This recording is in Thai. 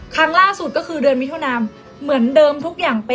ครั้งล่าสุดก็คือเดือนมิถุนาเหมือนเดิมทุกอย่างเป๊ะ